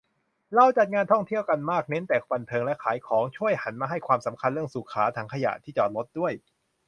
เราจัดงานท่องเที่ยวกันมากเน้นแต่บันเทิงและขายของ ช่วยหันมาให้ความสำคัญเรื่องสุขา ถังขยะ ที่จอดรถด้วย